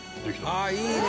「ああいいね！